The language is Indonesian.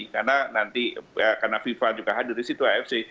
karena nanti karena fifa juga hadir di situ afc